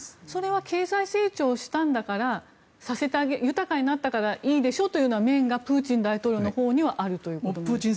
それは経済成長したんだから豊かになったからいいでしょという面がプーチン大統領のほうにはあるということですか。